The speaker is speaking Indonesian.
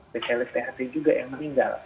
di kltht juga yang meninggal